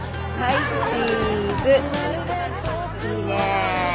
いいね。